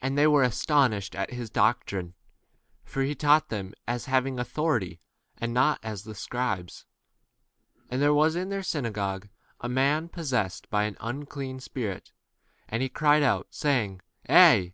And they were astonished at his doctrine, for he taught them as having authority, and not as 23 the scribes. And there was in their synagogue a man [possess ed] by h an unclean spirit, and 24 he cried out saying, Eh